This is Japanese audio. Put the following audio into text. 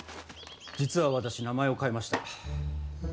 実は私、名前を変えました。